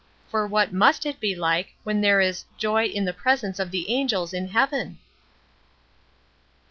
For what must it be like when there is "joy in the presence of the angels in heaven"?